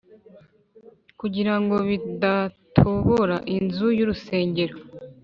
kugira ngo bidatobora inzu y’urusengero